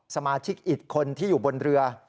สมาชิกอีกคนที่อยู่บนเรือ